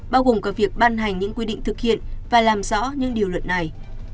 bao gồm cả việc ban hành những quy định thực hiện và làm rõ những điều luật này